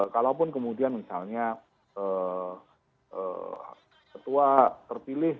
kalaupun kemudian misalnya ketua terpilih